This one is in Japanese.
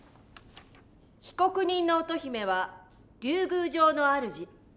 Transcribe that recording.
被告人の乙姫は竜宮城のあるじ。